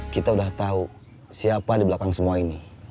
kita sudah tahu siapa di belakang semua ini